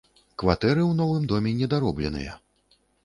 Кватэры ў новым доме недаробленыя.